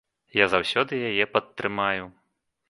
Я заўсёды яе падтрымаю.